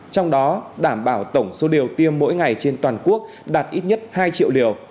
trong đó đảm bảo tổng số điều tiêm mỗi ngày trên toàn quốc đạt ít nhất hai triệu liều